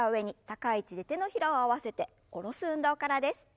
高い位置で手のひらを合わせて下ろす運動からです。